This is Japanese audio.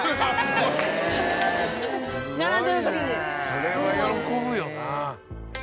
それは喜ぶよな。